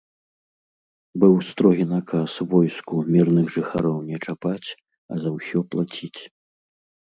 Быў строгі наказ войску мірных жыхароў не чапаць, а за ўсё плаціць.